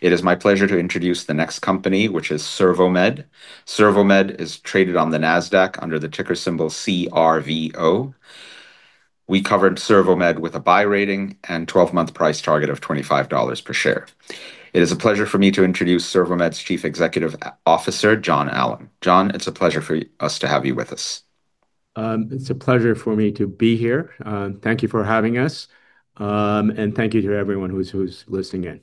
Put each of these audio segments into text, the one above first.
It is my pleasure to introduce the next company, which is CervoMed. CervoMed is traded on the Nasdaq under the ticker symbol CRVO. We covered CervoMed with a buy rating and 12-month price target of $25 per share. It is a pleasure for me to introduce CervoMed's Chief Executive Officer, John Alam. John, it's a pleasure for us to have you with us. It's a pleasure for me to be here. Thank you for having us, and thank you to everyone who's listening in.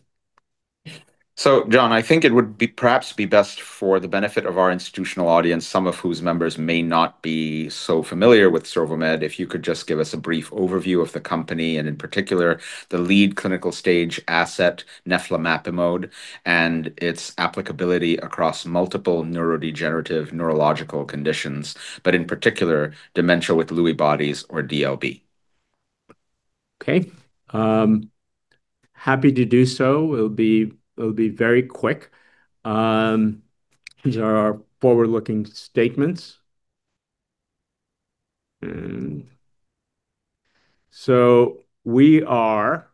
John, I think it would perhaps be best for the benefit of our institutional audience, some of whose members may not be so familiar with CervoMed, if you could just give us a brief overview of the company, and in particular, the lead clinical stage asset, neflamapimod, and its applicability across multiple neurodegenerative neurological conditions, but in particular, dementia with Lewy bodies or DLB. Okay. Happy to do so. It'll be very quick. These are our forward-looking statements. We are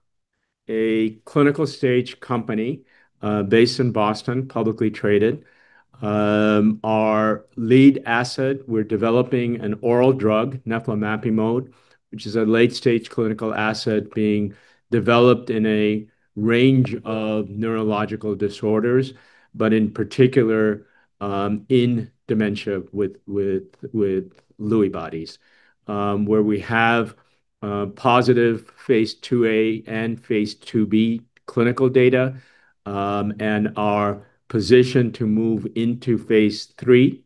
a clinical stage company based in Boston, publicly traded. Our lead asset, we're developing an oral drug, neflamapimod, which is a late-stage clinical asset being developed in a range of neurological disorders, but in particular, in dementia with Lewy bodies, where we have positive phase IIa and phase IIb clinical data, and are positioned to move into phase III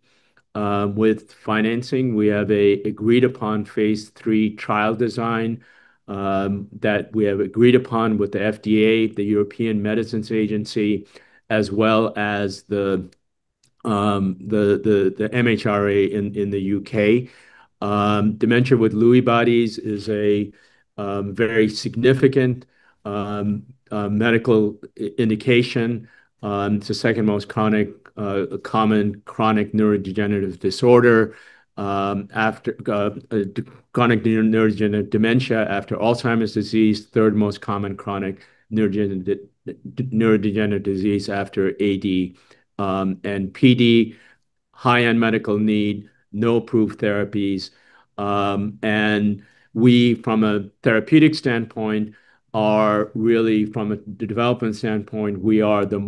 with financing. We have an agreed-upon phase III trial design that we have agreed upon with the FDA, the European Medicines Agency, as well as the MHRA in the U.K. Dementia with Lewy bodies is a very significant medical indication. It's the second most common chronic neurodegenerative disorder. Chronic neurodegenerative dementia after Alzheimer's disease, third most common chronic neurodegenerative disease after AD and PD. High-end medical need, no approved therapies. From a therapeutic standpoint, or really from a development standpoint, we are the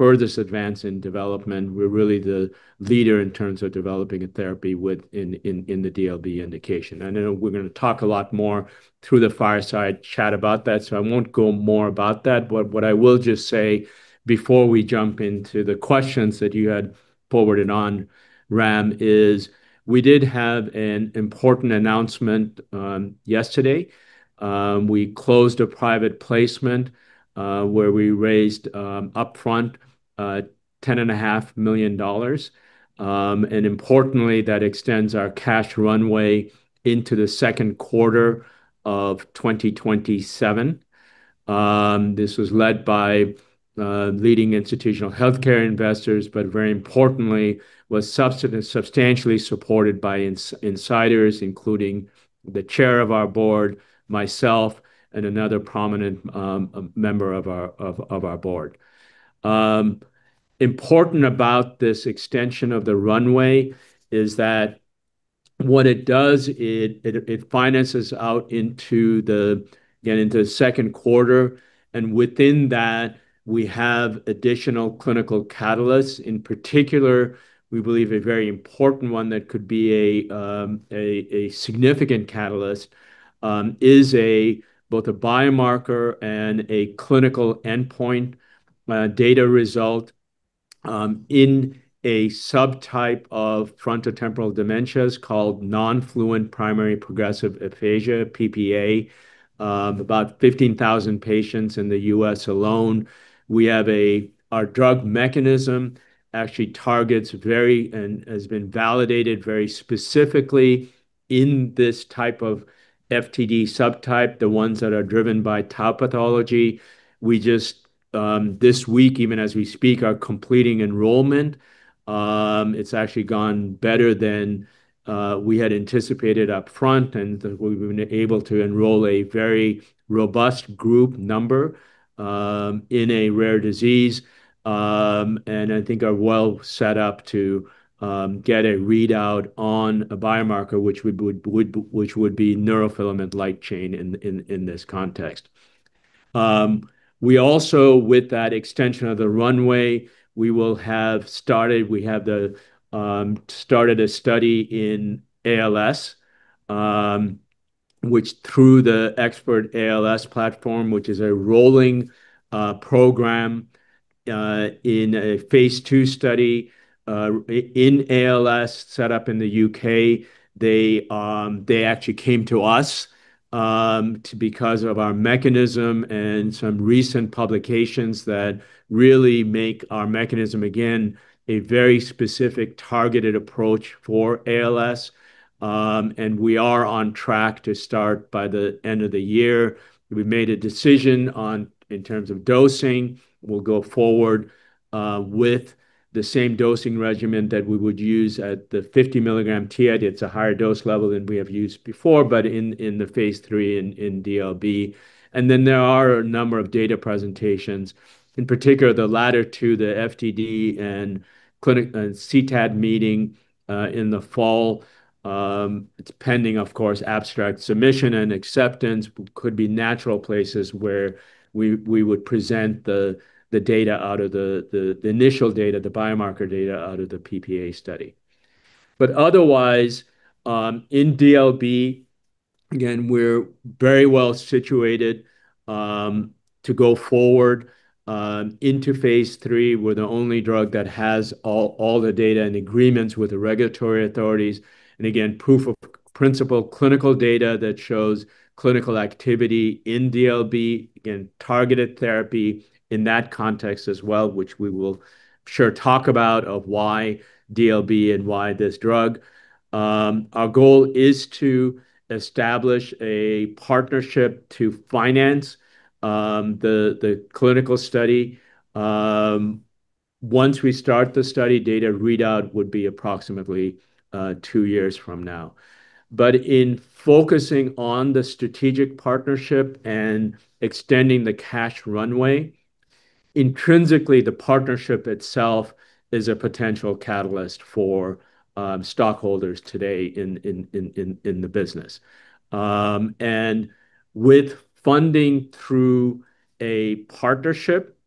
furthest advanced in development. We're really the leader in terms of developing a therapy in the DLB indication. I know we're going to talk a lot more through the fireside chat about that, I won't go more about that. What I will just say before we jump into the questions that you had forwarded on, Ram, is we did have an important announcement yesterday. We closed a private placement where we raised upfront $10.5 million. Importantly, that extends our cash runway into the second quarter of 2027. This was led by leading institutional healthcare investors, but very importantly, was substantially supported by insiders, including the chair of our board, myself, and another prominent member of our board. Important about this extension of the runway is that what it does, it finances out into the second quarter. Within that, we have additional clinical catalysts. In particular, we believe a very important one that could be a significant catalyst is both a biomarker and a clinical endpoint data result in a subtype of frontotemporal dementias called non-fluent primary progressive aphasia, PPA. About 15,000 patients in the U.S. alone. Our drug mechanism actually targets very, and has been validated very specifically in this type of FTD subtype, the ones that are driven by tau pathology. We just, this week, even as we speak, are completing enrollment. It's actually gone better than we had anticipated upfront, and we've been able to enroll a very robust group number in a rare disease. I think are well set up to get a readout on a biomarker, which would be neurofilament light chain in this context. We also, with that extension of the runway, we have started a study in ALS, which through the EXPERTS-ALS platform, which is a rolling program in a phase II study in ALS set up in the U.K. They actually came to us because of our mechanism and some recent publications that really make our mechanism, again, a very specific targeted approach for ALS. We are on track to start by the end of the year. We've made a decision in terms of dosing. We'll go forward with the same dosing regimen that we would use at the 50 mg TID. It's a higher dose level than we have used before, but in the phase III in DLB. There are a number of data presentations, in particular, the latter two, the FTD and CTAD meeting in the fall. It's pending, of course, abstract submission and acceptance. Could be natural places where we would present the initial data, the biomarker data, out of the PPA study. Otherwise, in DLB Again, we're very well situated to go forward into phase III. We're the only drug that has all the data and agreements with the regulatory authorities, and again, proof of principle clinical data that shows clinical activity in DLB, again, targeted therapy in that context as well, which we will sure talk about of why DLB and why this drug. Our goal is to establish a partnership to finance the clinical study. Once we start the study, data readout would be approximately two years from now. In focusing on the strategic partnership and extending the cash runway, intrinsically, the partnership itself is a potential catalyst for stockholders today in the business. With funding through a partnership,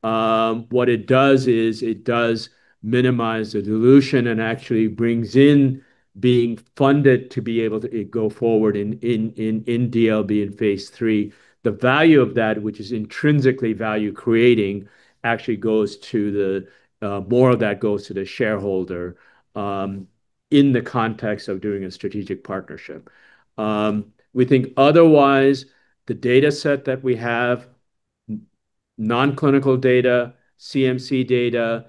what it does is it does minimize the dilution and actually brings in being funded to be able to go forward in DLB in phase III. The value of that, which is intrinsically value-creating, more of that goes to the shareholder, in the context of doing a strategic partnership. We think otherwise, the data set that we have, non-clinical data, CMC data,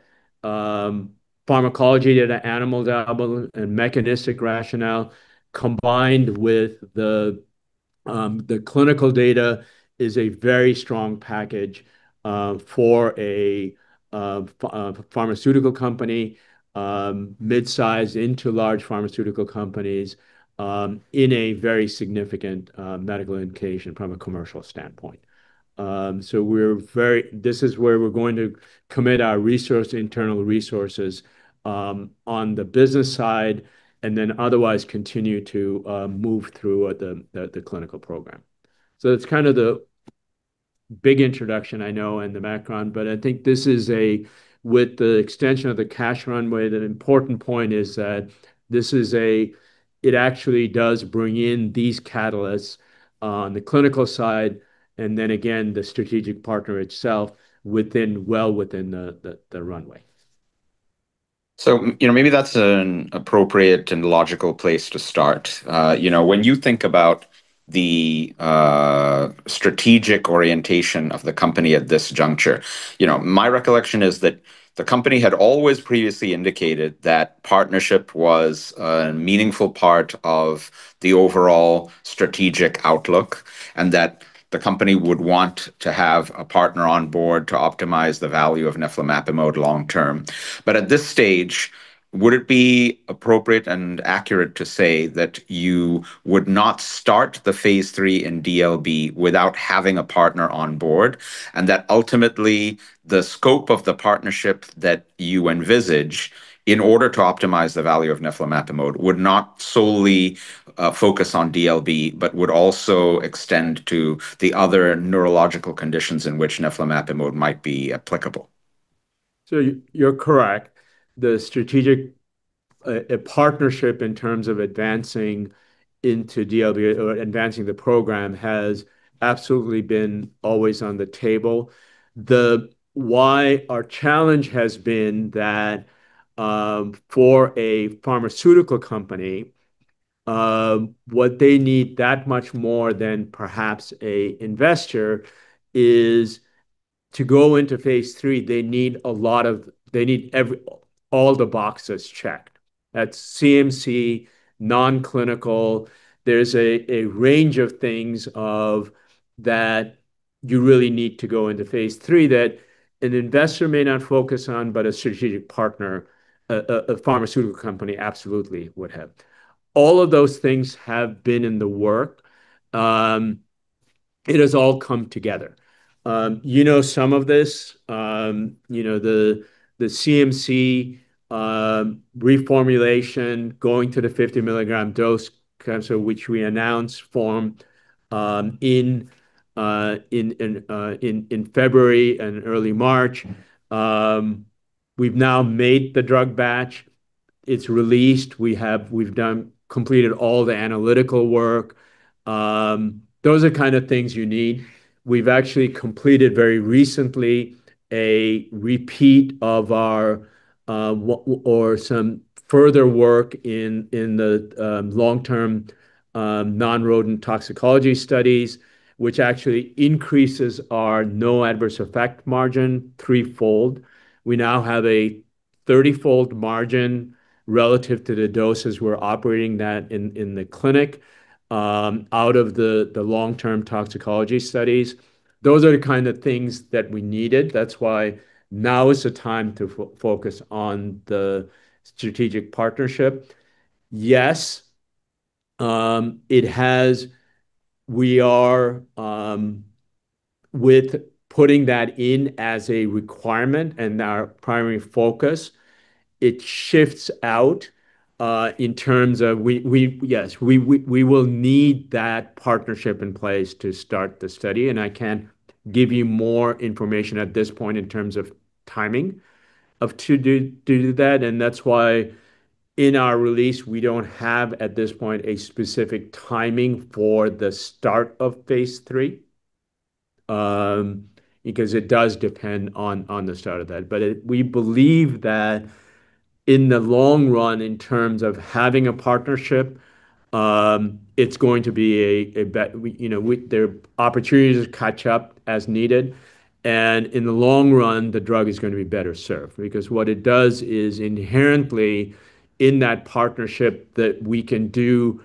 pharmacology data, animal data, and mechanistic rationale, combined with the clinical data, is a very strong package for a pharmaceutical company, mid-size into large pharmaceutical companies, in a very significant medical indication from a commercial standpoint. This is where we're going to commit our internal resources on the business side, otherwise continue to move through the clinical program. That's the big introduction, I know, and the background, I think with the extension of the cash runway, the important point is that it actually does bring in these catalysts on the clinical side, again, the strategic partner itself well within the runway. Maybe that's an appropriate and logical place to start. When you think about the strategic orientation of the company at this juncture, my recollection is that the company had always previously indicated that partnership was a meaningful part of the overall strategic outlook, and that the company would want to have a partner on board to optimize the value of neflamapimod long term. At this stage, would it be appropriate and accurate to say that you would not start the phase III in DLB without having a partner on board, and that ultimately the scope of the partnership that you envisage in order to optimize the value of neflamapimod would not solely focus on DLB, but would also extend to the other neurological conditions in which neflamapimod might be applicable? You're correct. The strategic partnership in terms of advancing into DLB or advancing the program has absolutely been always on the table. Our challenge has been that for a pharmaceutical company, what they need that much more than perhaps a investor is to go into phase III. They need all the boxes checked. That's CMC, non-clinical. There's a range of things that you really need to go into phase III that an investor may not focus on, but a strategic partner, a pharmaceutical company absolutely would have. All of those things have been in the work. It has all come together. You know some of this. The CMC reformulation going to the 50 mg dose, which we announced in February and early March. We've now made the drug batch. It's released. We've completed all the analytical work. Those are kind of things you need. We've actually completed very recently a repeat of some further work in the long-term non-rodent toxicology studies, which actually increases our no adverse effect margin threefold. We now have a thirtyfold margin relative to the doses we're operating at in the clinic out of the long-term toxicology studies. Those are the kind of things that we needed. That's why now is the time to focus on the strategic partnership. Yes, with putting that in as a requirement and our primary focus, it shifts out in terms of. Yes, we will need that partnership in place to start the study, and I can't give you more information at this point in terms of timing to do that, and that's why in our release, we don't have, at this point, a specific timing for the start of phase III, because it does depend on the start of that. We believe that in the long run, in terms of having a partnership, there are opportunities to catch up as needed. In the long run, the drug is going to be better served, because what it does is inherently in that partnership that we can do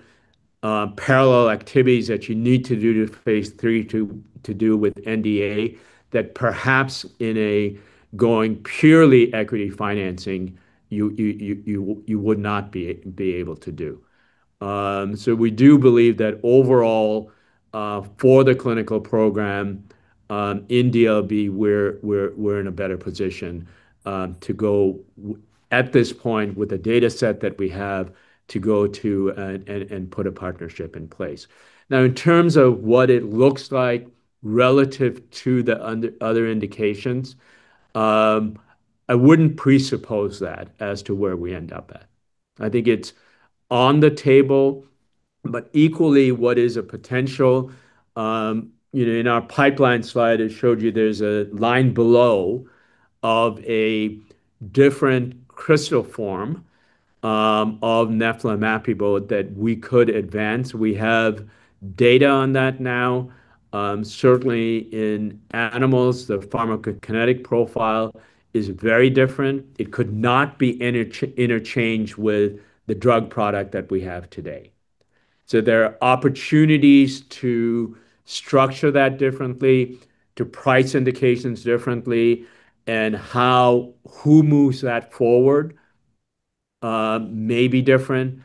parallel activities that you need to do to phase III to do with NDA that perhaps in a going purely equity financing, you would not be able to do. We do believe that overall, for the clinical program, in DLB, we're in a better position to go at this point with the data set that we have to go to and put a partnership in place. In terms of what it looks like relative to the other indications, I wouldn't presuppose that as to where we end up at. I think it's on the table, but equally what is a potential. In our pipeline slide, it showed you there's a line below of a different crystal form of neflamapimod that we could advance. We have data on that now. Certainly in animals, the pharmacokinetic profile is very different. It could not be interchanged with the drug product that we have today. There are opportunities to structure that differently, to price indications differently, and who moves that forward may be different.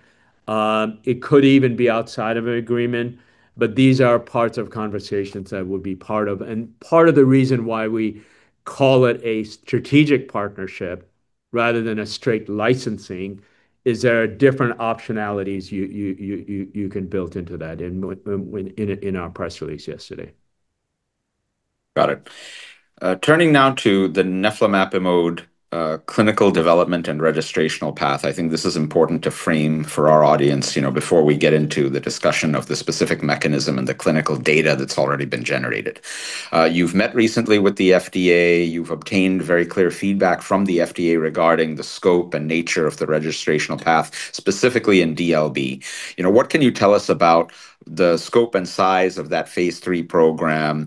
It could even be outside of an agreement, but these are parts of conversations that would be part of. Part of the reason why we call it a strategic partnership rather than a straight licensing is there are different optionalities you can build into that in our press release yesterday. Got it. Turning now to the neflamapimod clinical development and registrational path, I think this is important to frame for our audience before we get into the discussion of the specific mechanism and the clinical data that's already been generated. You've met recently with the FDA. You've obtained very clear feedback from the FDA regarding the scope and nature of the registrational path, specifically in DLB. What can you tell us about the scope and size of that phase III program?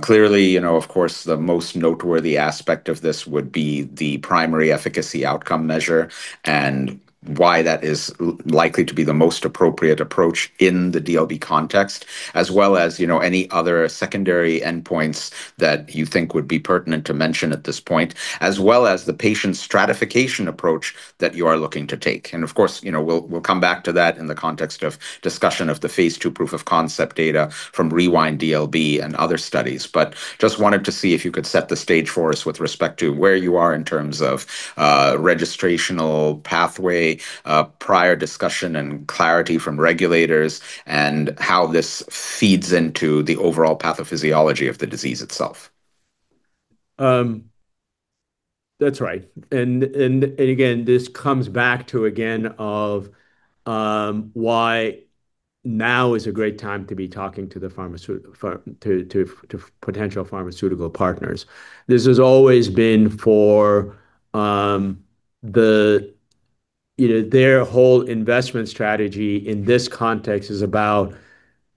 Clearly, of course, the most noteworthy aspect of this would be the primary efficacy outcome measure and why that is likely to be the most appropriate approach in the DLB context, as well as any other secondary endpoints that you think would be pertinent to mention at this point, as well as the patient stratification approach that you are looking to take. Of course, we'll come back to that in the context of discussion of the phase II proof of concept data from RewinD-LB and other studies. Just wanted to see if you could set the stage for us with respect to where you are in terms of registrational pathway, prior discussion, and clarity from regulators, and how this feeds into the overall pathophysiology of the disease itself. That's right. Again, this comes back to again of why now is a great time to be talking to potential pharmaceutical partners. This has always been for their whole investment strategy in this context is about,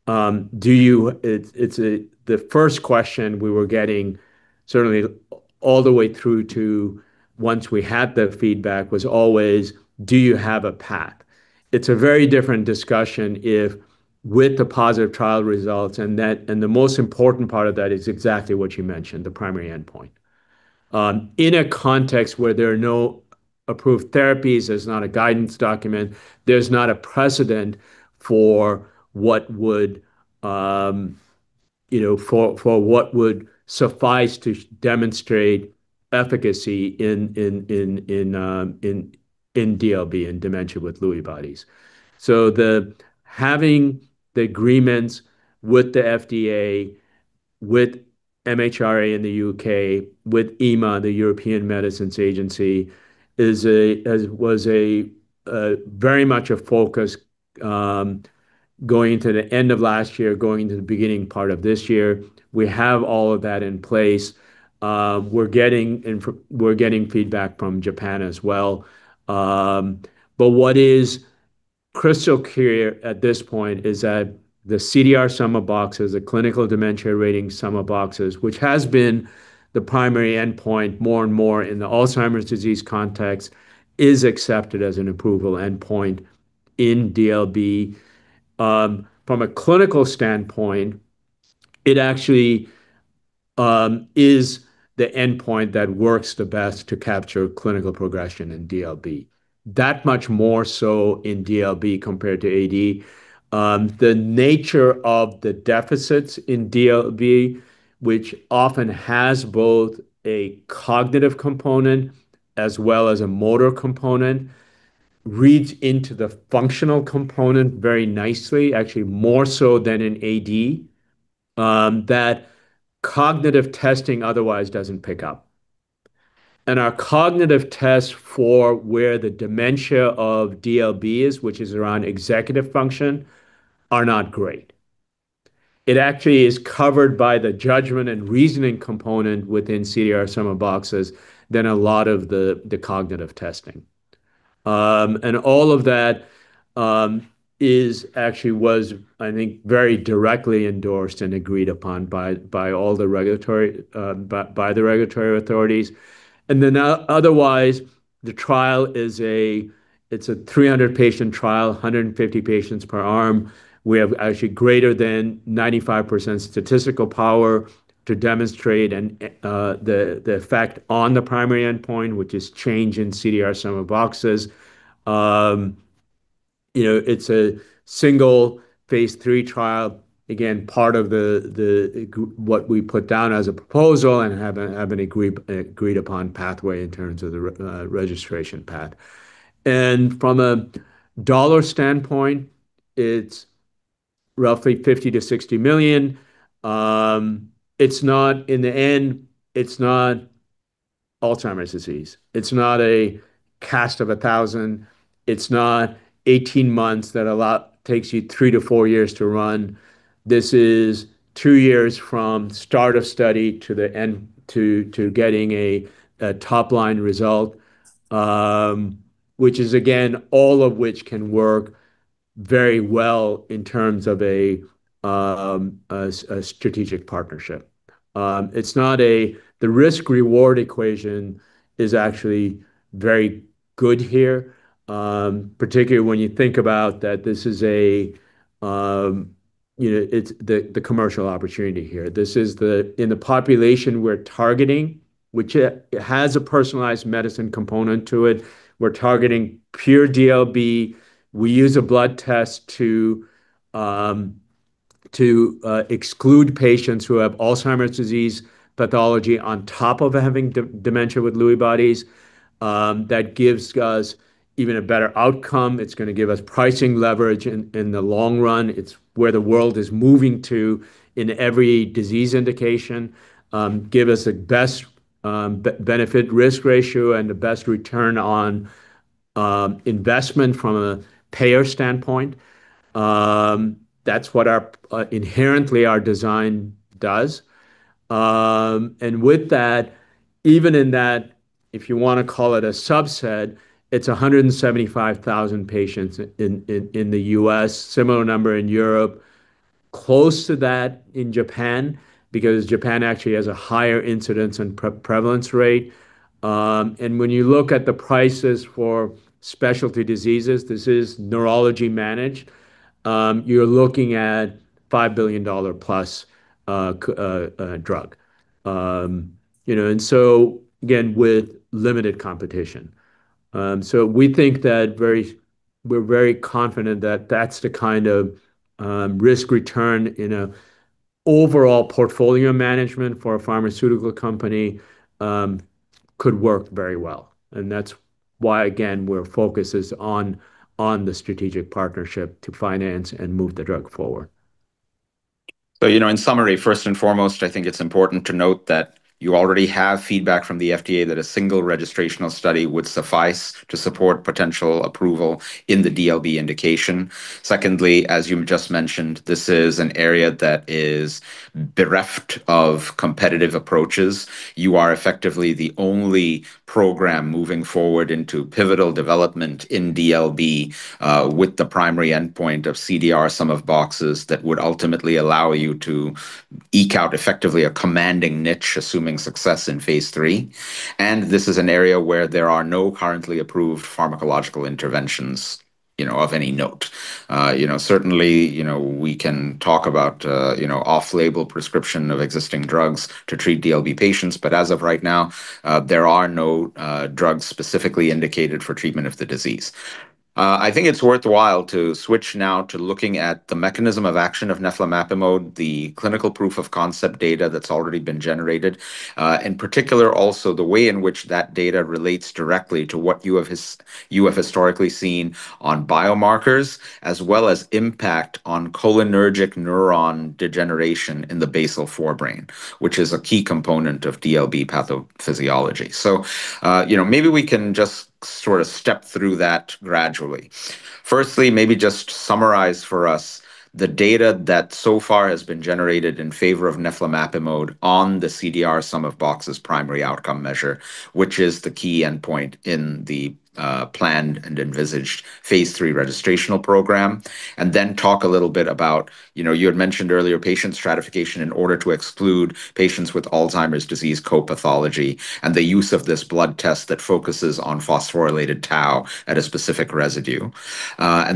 the first question we were getting, certainly all the way through to once we had the feedback was always, "Do you have a path?" It's a very different discussion with the positive trial results, and the most important part of that is exactly what you mentioned, the primary endpoint. In a context where there are no approved therapies, there's not a guidance document, there's not a precedent for what would suffice to demonstrate efficacy in DLB, in dementia with Lewy bodies. Having the agreements with the FDA, with MHRA in the U.K., with EMA, the European Medicines Agency, was very much a focus going into the end of last year, going into the beginning part of this year. We have all of that in place. We're getting feedback from Japan as well. What is crystal clear at this point is that the CDR Sum of Boxes, the Clinical Dementia Rating Sum of Boxes, which has been the primary endpoint more and more in the Alzheimer's disease context, is accepted as an approval endpoint in DLB. From a clinical standpoint, it actually is the endpoint that works the best to capture clinical progression in DLB, that much more so in DLB compared to AD. The nature of the deficits in DLB, which often has both a cognitive component as well as a motor component, reads into the functional component very nicely, actually more so than in AD That cognitive testing otherwise doesn't pick up. Our cognitive tests for where the dementia of DLB is, which is around executive function, are not great. It actually is covered by the judgment and reasoning component within CDR Sum of Boxes than a lot of the cognitive testing. All of that actually was, I think, very directly endorsed and agreed upon by the regulatory authorities. Then otherwise, the trial is a 300-patient trial, 150 patients per arm. We have actually greater than 95% statistical power to demonstrate the effect on the primary endpoint, which is change in CDR Sum of Boxes. It's a single phase III trial, again, part of what we put down as a proposal and have an agreed-upon pathway in terms of the registration path. From a dollar standpoint, it's roughly $50 million-$60 million. In the end, it's not Alzheimer's disease. It's not a cast of 1,000. It's not 18 months that a lot takes you three to four years to run. This is two years from start of study to getting a top-line result, which is again, all of which can work very well in terms of a strategic partnership. The risk-reward equation is actually very good here, particularly when you think about the commercial opportunity here. In the population we're targeting, which has a personalized medicine component to it, we're targeting pure DLB. We use a blood test to exclude patients who have Alzheimer's disease pathology on top of having dementia with Lewy bodies. That gives us even a better outcome. It's going to give us pricing leverage in the long run. It's where the world is moving to in every disease indication. Give us a best benefit-risk ratio and the best return on investment from a payer standpoint. That's what inherently our design does. With that, even in that, if you want to call it a subset, it's 175,000 patients in the U.S., similar number in Europe, close to that in Japan, because Japan actually has a higher incidence and prevalence rate. When you look at the prices for specialty diseases, this is neurology managed, you're looking at $5 billion+ drug. Again, with limited competition. We're very confident that that's the kind of risk-return in an overall portfolio management for a pharmaceutical company could work very well. That's why, again, our focus is on the strategic partnership to finance and move the drug forward. In summary, first and foremost, I think it's important to note that you already have feedback from the FDA that a single registrational study would suffice to support potential approval in the DLB indication. Secondly, as you just mentioned, this is an area that is bereft of competitive approaches. You are effectively the only program moving forward into pivotal development in DLB with the primary endpoint of CDR Sum of Boxes that would ultimately allow you to eke out effectively a commanding niche, assuming success in phase III. This is an area where there are no currently approved pharmacological interventions of any note. Certainly, we can talk about off-label prescription of existing drugs to treat DLB patients, but as of right now, there are no drugs specifically indicated for treatment of the disease. I think it's worthwhile to switch now to looking at the mechanism of action of neflamapimod, the clinical proof of concept data that's already been generated. In particular, also the way in which that data relates directly to what you have historically seen on biomarkers, as well as impact on cholinergic neuron degeneration in the basal forebrain, which is a key component of DLB pathophysiology. Maybe we can just sort of step through that gradually. Firstly, maybe just summarize for us the data that so far has been generated in favor of neflamapimod on the CDR Sum of Boxes primary outcome measure, which is the key endpoint in the planned and envisaged phase III registrational program. Then talk a little bit about, you had mentioned earlier patient stratification in order to exclude patients with Alzheimer's disease co-pathology, and the use of this blood test that focuses on phosphorylated tau at a specific residue.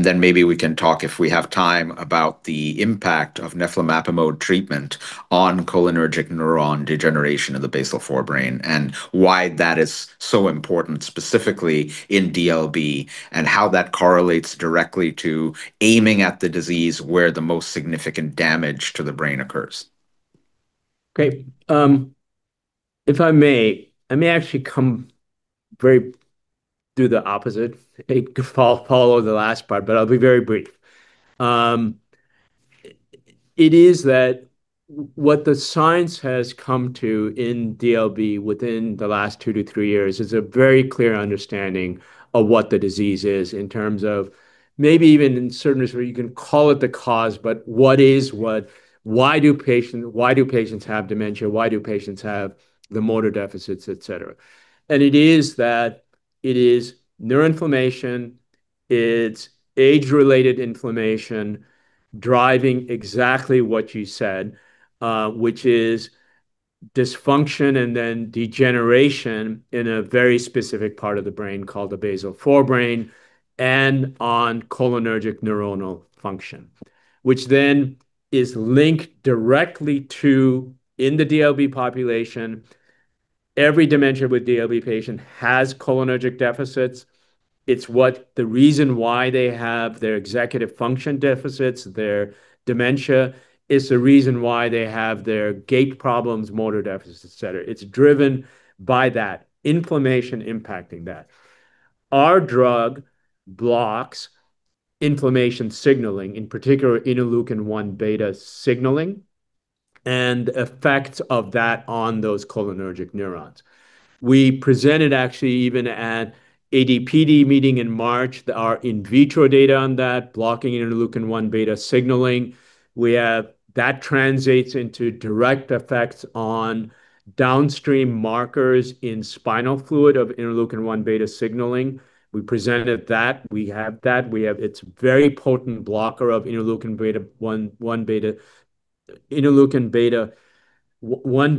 Then maybe we can talk, if we have time, about the impact of neflamapimod treatment on cholinergic neuron degeneration of the basal forebrain, and why that is so important, specifically in DLB, and how that correlates directly to aiming at the disease where the most significant damage to the brain occurs. Great. If I may, I may actually do the opposite, follow the last part, but I'll be very brief. It is that what the science has come to in DLB within the last two to three years is a very clear understanding of what the disease is in terms of maybe even in certain, you can call it the cause, but what is what, why do patients have dementia, why do patients have the motor deficits, et cetera. It is that it is neuroinflammation, it's age-related inflammation driving exactly what you said, which is dysfunction and then degeneration in a very specific part of the brain called the basal forebrain, and on cholinergic neuronal function, which then is linked directly to, in the DLB population, every dementia with DLB patient has cholinergic deficits. It's the reason why they have their executive function deficits, their dementia. It's the reason why they have their gait problems, motor deficits, et cetera. It's driven by that inflammation impacting that. Our drug blocks inflammation signaling, in particular interleukin-1 beta signaling, and effects of that on those cholinergic neurons. We presented, actually, even at AD/PD meeting in March, our in vitro data on that, blocking interleukin-1 beta signaling. That translates into direct effects on downstream markers in spinal fluid of interleukin-1 beta signaling. We presented that. We have that. It's a very potent blocker of interleukin-1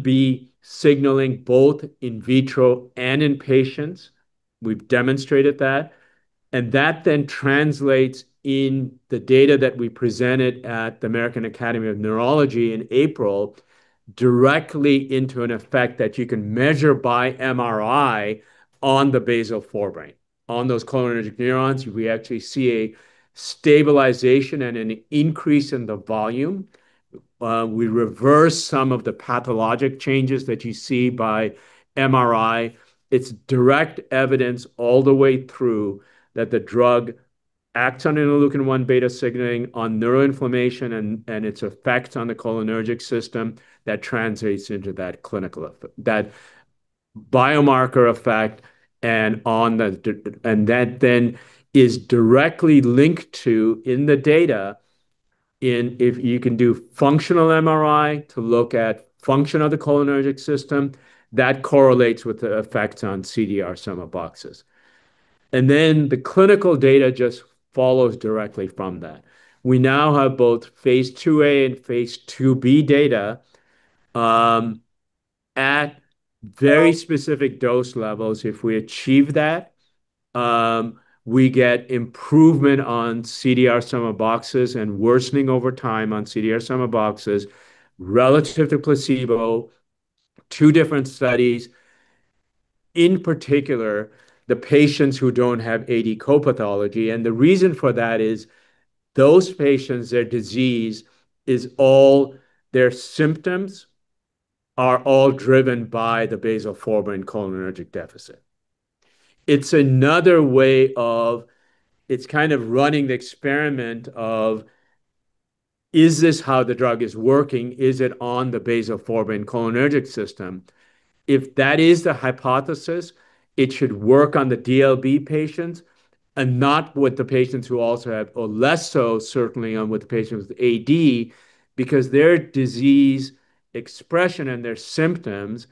beta signaling, both in vitro and in patients. We've demonstrated that. That then translates in the data that we presented at the American Academy of Neurology in April directly into an effect that you can measure by MRI on the basal forebrain. On those cholinergic neurons, we actually see a stabilization and an increase in the volume. We reverse some of the pathologic changes that you see by MRI. It's direct evidence all the way through that the drug acts on interleukin-1 beta signaling on neuroinflammation and its effect on the cholinergic system that translates into that clinical effect, that biomarker effect, and that then is directly linked to, in the data, if you can do functional MRI to look at function of the cholinergic system, that correlates with the effect on CDR Sum of Boxes. The clinical data just follows directly from that. We now have both phase IIa and phase IIb data, at very specific dose levels. If we achieve that, we get improvement on CDR Sum of Boxes and worsening over time on CDR Sum of Boxes relative to placebo. Two different studies, in particular, the patients who don't have AD co-pathology, and the reason for that is those patients, their disease, their symptoms are all driven by the basal forebrain cholinergic deficit. It's another way of, it's kind of running the experiment of, is this how the drug is working? Is it on the basal forebrain cholinergic system? If that is the hypothesis, it should work on the DLB patients and not with the patients who also have, or less so, certainly, with the patients with AD, because their disease expression and their symptoms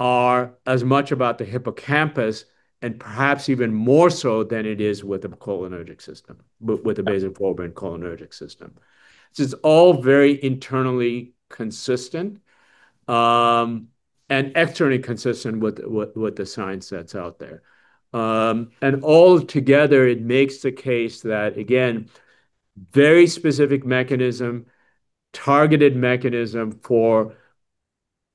are as much about the hippocampus and perhaps even more so than it is with the cholinergic system, with the basal forebrain cholinergic system. It's all very internally consistent, and externally consistent with the science that's out there. All together, it makes the case that, again, very specific mechanism, targeted mechanism for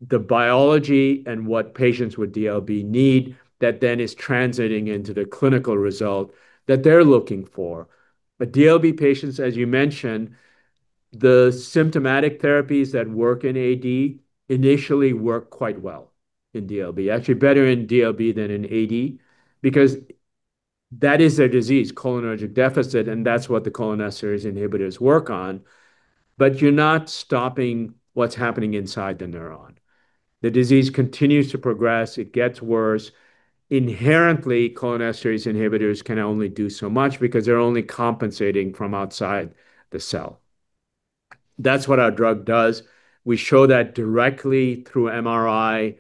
the biology and what patients with DLB need that then is translating into the clinical result that they're looking for. DLB patients, as you mentioned, the symptomatic therapies that work in AD initially work quite well in DLB, actually better in DLB than in AD, because that is their disease, cholinergic deficit, and that's what the cholinesterase inhibitors work on. You're not stopping what's happening inside the neuron. The disease continues to progress. It gets worse. Inherently, cholinesterase inhibitors can only do so much because they're only compensating from outside the cell. That's what our drug does. We show that directly through MRI,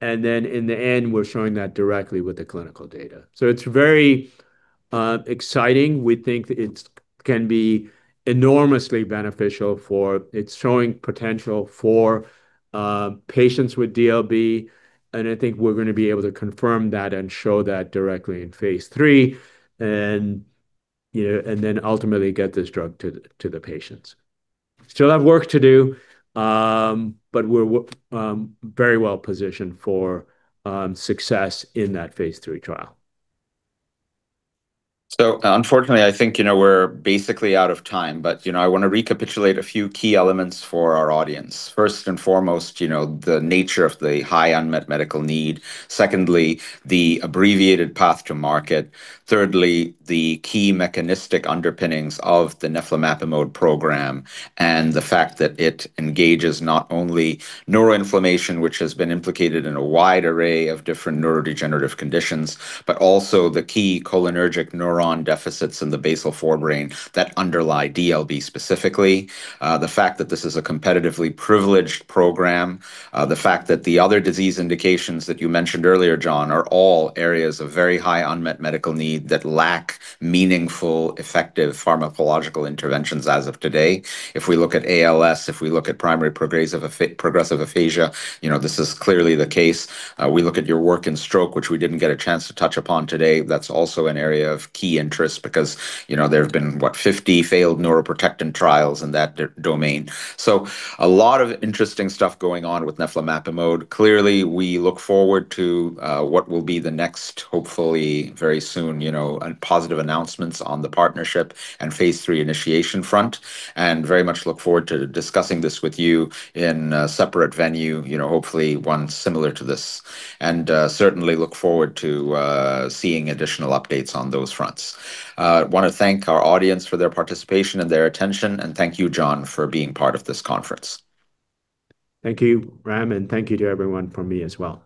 and then in the end, we're showing that directly with the clinical data. It's very exciting. We think it can be enormously beneficial for, it's showing potential for patients with DLB, and I think we're going to be able to confirm that and show that directly in phase III, and then ultimately get this drug to the patients. Still have work to do, but we're very well positioned for success in that phase III trial. Unfortunately, I think we're basically out of time. I want to recapitulate a few key elements for our audience. First and foremost, the nature of the high unmet medical need. Secondly, the abbreviated path to market. Thirdly, the key mechanistic underpinnings of the neflamapimod program and the fact that it engages not only neuroinflammation, which has been implicated in a wide array of different neurodegenerative conditions, but also the key cholinergic neuron deficits in the basal forebrain that underlie DLB specifically. The fact that this is a competitively privileged program, the fact that the other disease indications that you mentioned earlier, John, are all areas of very high unmet medical need that lack meaningful, effective pharmacological interventions as of today. If we look at ALS, if we look at primary progressive aphasia, this is clearly the case. We look at your work in stroke, which we didn't get a chance to touch upon today. That's also an area of key interest because there have been, what, 50 failed neuroprotectant trials in that domain. A lot of interesting stuff going on with neflamapimod. Clearly, we look forward to what will be the next, hopefully very soon, positive announcements on the partnership and phase III initiation front, and very much look forward to discussing this with you in a separate venue, hopefully one similar to this. Certainly look forward to seeing additional updates on those fronts. Want to thank our audience for their participation and their attention. Thank you, John, for being part of this conference. Thank you, Ram, and thank you to everyone from me as well.